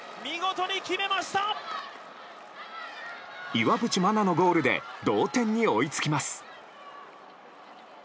岩渕真奈のゴールで同点に追いつきます。